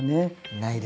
ないです。